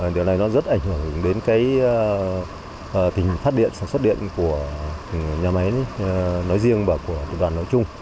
điều này nó rất ảnh hưởng đến tình phát điện sản xuất điện của nhà máy nói riêng và của tập đoàn nói chung